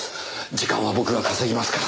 時間は僕が稼ぎますから。